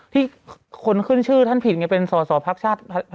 ที่คนขึ้นชื่อท่านผิดไงเป็นสสาวภักดิ์ชาติพัฒนา